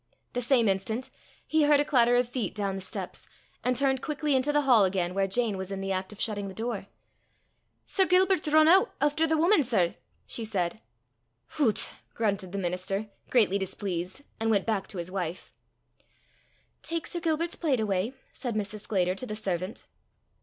The same instant, he heard a clatter of feet down the steps, and turned quickly into the hall again, where Jane was in the act of shutting the door. "Sir Gilbert's run oot efter the wuman, sir!" she said. "Hoots!" grunted the minister, greatly displeased, and went back to his wife. "Take Sir Gilbert's plate away," said Mrs. Sclater to the servant.